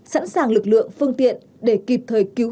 sẵn sàng lực lượng phương tiện để kịp thời cứu hộ cứu nạn khi có yêu cầu